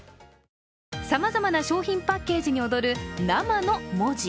さまざまな商品パッケージに踊る生の文字。